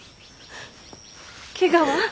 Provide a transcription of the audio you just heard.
けがは？